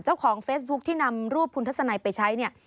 เจ้าของเฟซบุ๊คที่นำรูปคุณทัศนัยไปใช้เนี่ย